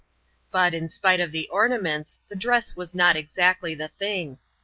But, in spite of the ornaments, the dress was not exactly the thing.